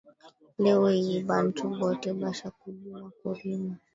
Leo iyi bantu bote basha kujuwa kurima